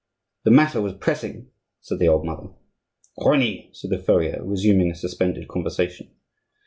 "The matter was pressing," said the old mother. "Crony," said the furrier, resuming a suspended conversation.